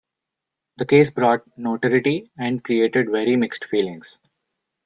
The case brought notoriety and created very mixed feelings.